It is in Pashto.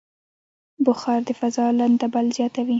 بخار د فضا لندبل زیاتوي.